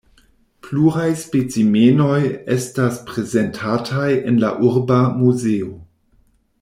Pluraj specimenoj estas prezentataj en la Urba Muzeo.